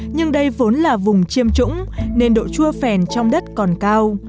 nhưng đây vốn là vùng chiêm trũng nên độ chua phèn trong đất còn cao